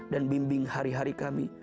dan bimbing hari hari kami